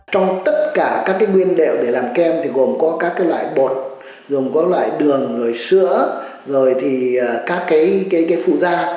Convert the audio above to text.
trong tất cả các nguyên liệu để làm kèm thì gồm có các loại bột gồm có loại đường sữa các phụ da